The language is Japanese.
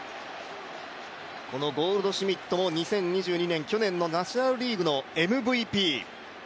このゴールドシュミットも２０２２年去年のナショナルリーグのＭＶＰ。